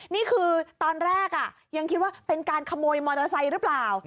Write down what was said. นี่คือตอนแรกยังคิดว่าเป็นการขโมยมอเตอร์ไซค์หรือเปล่า